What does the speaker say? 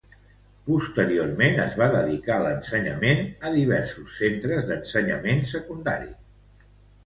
Posteriorment es va dedicar a l'ensenyament a diversos centres d'ensenyament secundari.